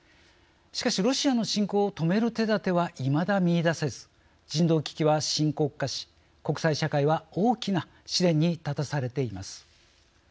しかしロシアの侵攻を止める手だてはいまだ見いだせず人道危機は深刻化し国際社会は大きな試練に立たされています。